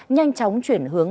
nhanh chóng chuyển hướng